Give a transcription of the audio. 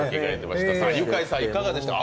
ユカイさん、いかがですか。